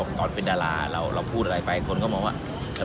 บอดบาลเราก็คนก็รู้จันทร์อยู่ด้วยใช่ไหม